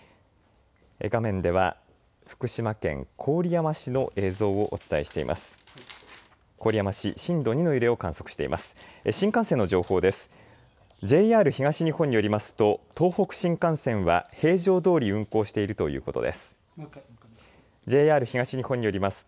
画面では福島県郡山市の映像をお伝えしています。